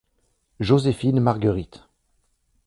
Joséphine-Marguerite.